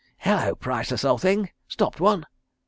"Hullo, Priceless Old Thing, stopped one?"